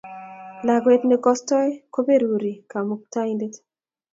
Lakwet ne kostoi ko beruri kamuktoindet